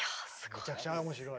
めちゃくちゃ面白い。